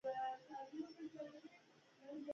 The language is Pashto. افغانستان تر هغو نه ابادیږي، ترڅو د سولې سفیران نشو.